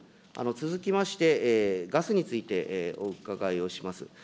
続きまして、ガスについてお伺いをします。